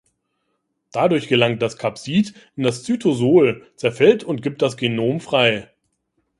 Dadurch gelangt das Kapsid in das Zytosol, zerfällt und gibt das Genom frei.